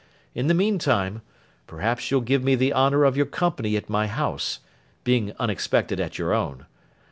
In the meantime, perhaps you'll give me the honour of your company at my house; being unexpected at your own.